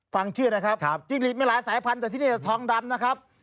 ฟังชื่อนะครับจิ้งหลีดมีหลายสายพันธุ์แต่ที่นี่ทองดำนะครับ